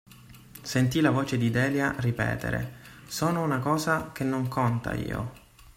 Sentì la voce di Delia ripetere: Sono una cosa che non conta, io!